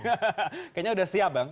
kayaknya udah siap bang